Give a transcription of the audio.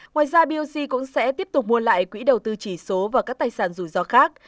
ngoài ra boc cũng sẽ tiếp tục mua lại quỹ đầu tư chỉ số và các tài sản rủi ro khác